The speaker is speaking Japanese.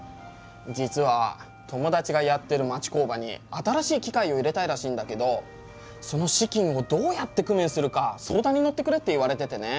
実は友達がやってる町工場に新しい機械を入れたいらしいんだけどその資金をどうやって工面するか相談に乗ってくれって言われててね。